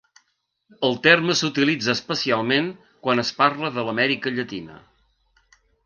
El terme s'utilitza especialment quan es parla de l'Amèrica Llatina.